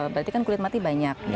berarti kan kulit mati banyak